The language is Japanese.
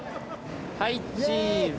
はいチーズ。